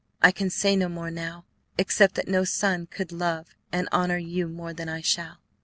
I can say no more now, except that no son could love and honor you more than I shall."